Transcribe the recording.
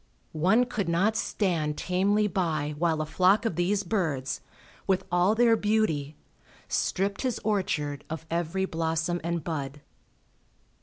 One could not stand tamely by while a flock of these birds, with all their beauty, stripped his orchard of every blossom and bud.